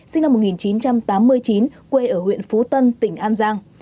sinh năm một nghìn chín trăm tám mươi chín quê ở huyện phú tân tỉnh an giang